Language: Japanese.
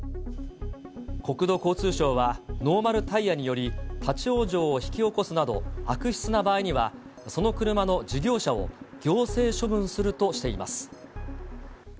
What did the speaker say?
国土交通省はノーマルタイヤにより、立往生を引き起こすなど、悪質な場合には、その車の事業者を行政処分するとしています。